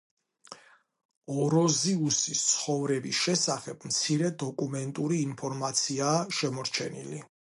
ოროზიუსის ცხოვრების შესახებ მცირე დოკუმენტური ინფორმაციაა შემორჩენილი.